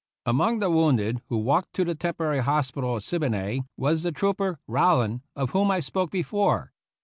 Among the wounded who walked to the tem porary hospital at Siboney was the trooper, Row land, of whom I spoke before.